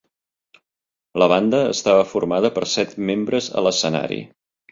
La banda estava formada per set membres a l'escenari.